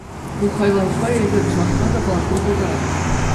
Ку хайлавпа эпир чӑвашла та паллашма пултаратпӑр.